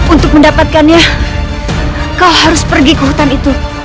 untuk mendapatkannya kau harus pergi ke hutan itu